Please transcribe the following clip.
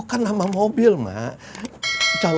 kenapa anak cuma pasang kemu